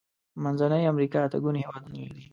منځنۍ امريکا اته ګونې هيوادونه لري.